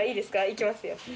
いきますよ。